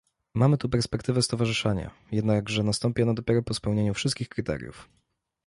Mamy tu perspektywę stowarzyszenia, jednakże nastąpi ono dopiero po spełnieniu wszystkich kryteriów